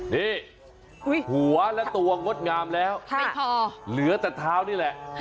นี่หัวและตัวงดงามแล้วไม่พอเหลือแต่เท้านี่แหละ